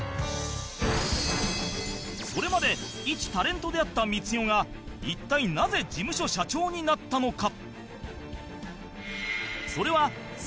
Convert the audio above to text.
それまでいちタレントであった光代が一体なぜ事務所社長になったのか？